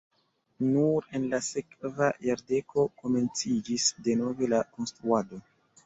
Nur en la sekva jardeko komenciĝis denove la konstruado.